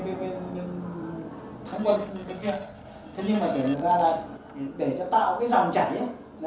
thế nhưng mà để người ta lại để cho tạo cái dòng chảy ấy